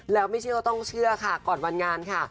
แล้วไม่เชื่อต้องเชื่อค่ะก่อนวันงานค่ะ